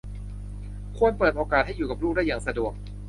ควรเปิดโอกาสให้อยู่กับลูกได้อย่างสะดวก